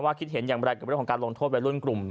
คิดเห็นอย่างไรกับเรื่องของการลงโทษวัยรุ่นกลุ่ม